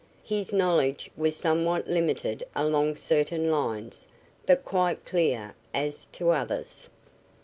His knowledge was somewhat limited along certain lines, but quite clear as to others.